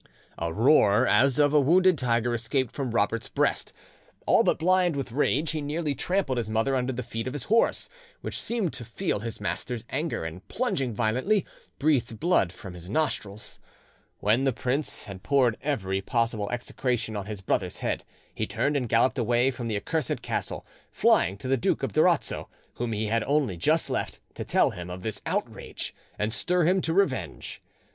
A roar as of a wounded tiger escaped from Robert's breast: all but blind with rage, he nearly trampled his mother under the feet of his horse, which seemed to feel his master's anger, and plunging violently, breathed blood from his nostrils. When the prince had poured every possible execration on his brother's head, he turned and galloped away from the accursed castle, flying to the Duke of Durazzo, whom he had only just left, to tell him of this outrage and stir him to revenge.